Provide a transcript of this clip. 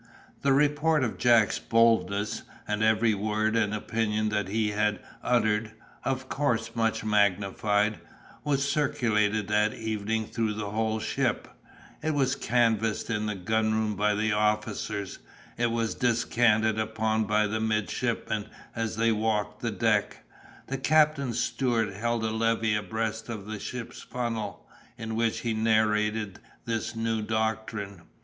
The report of Jack's boldness, and every word and opinion that he had uttered (of course much magnified), was circulated that evening through the whole ship; it was canvassed in the gun room by the officers, it was descanted upon by the midshipmen as they walked the deck; the captain's steward held a levee abreast of the ship's funnel, in which he narrated this new doctrine.